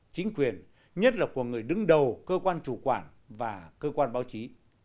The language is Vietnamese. chính quyền nhất là của người đứng đầu cơ quan chủ quản và cơ quan báo chí